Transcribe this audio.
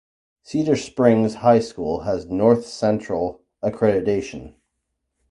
Cedar Springs High School has North Central Accreditation.